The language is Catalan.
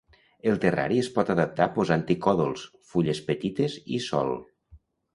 El terrari es pot adaptar posant-hi còdols, fulles petites i sòl.